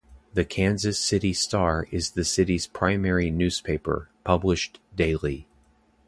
"The Kansas City Star" is the city's primary newspaper, published daily.